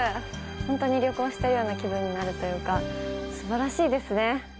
本当に旅行してるような気分になるというか、すばらしいですね。